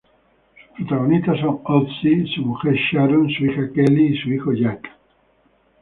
Sus protagonistas son Ozzy, su mujer Sharon, su hija Kelly y su hijo Jack.